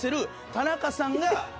田中さんが笑う。